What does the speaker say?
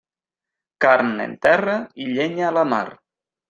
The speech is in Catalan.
Carn en terra i llenya a la mar.